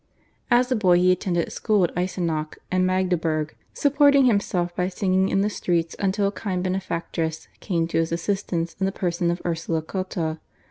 As a boy he attended school at Eisenach and Magdeburg, supporting himself by singing in the streets until a kind benefactress came to his assistance in the person of Ursula Cotta.